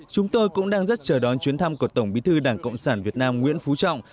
chúng tôi cũng đang rất chờ đón chuyến thăm của tổng bí thư đảng cộng sản việt nam nguyễn phú trọng